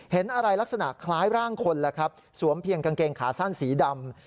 เห็นอะไรลักษณะคล้ายร่างคนแหละครับสวมเพียงกางเกงขาสั้นสีดำ